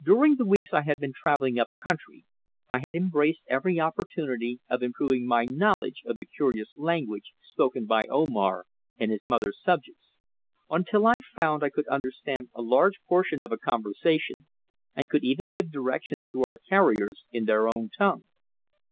During the weeks I had been travelling up country I had embraced every opportunity of improving my knowledge of the curious language spoken by Omar and his mother's subjects, until I found I could understand a large portion of a conversation and could even give directions to our carriers in their own tongue.